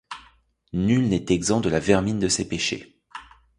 Nul n’est exempt de la vermine de ses péchés.